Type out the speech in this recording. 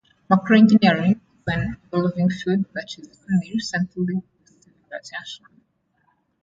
Macro-engineering is an evolving field that is only recently receiving attention.